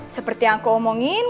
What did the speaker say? seperti yang aku omongin